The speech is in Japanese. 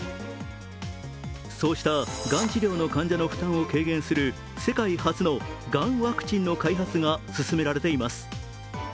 そうしたがん治療の患者の負担を軽減する世界初のがんワクチンの開発が進められています。